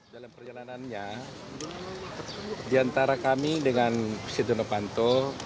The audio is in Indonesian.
dalam perjalanannya diantara kami dengan siti novanto